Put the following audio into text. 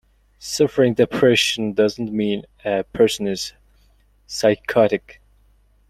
Suffering depression does not mean a person is psychotic.